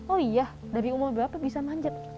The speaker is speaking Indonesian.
oh iya dari umur berapa bisa manjat